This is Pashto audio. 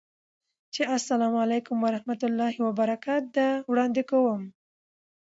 چې اسلام علیکم ورحمة الله وبرکاته ده، وړاندې کوم